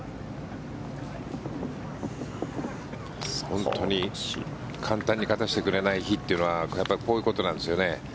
本当に簡単に勝たせてくれない日というのはやっぱりこういうことなんですよね。